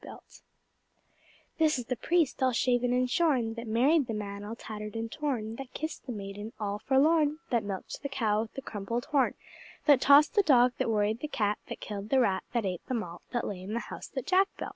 This is the Priest, all shaven and shorn, That married the Man all tattered and torn, That kissed the Maiden all forlorn, That milked the Cow with the crumpled horn, That tossed the Dog, That worried the Cat, That killed the Rat, That ate the Malt, That lay in the House that Jack built.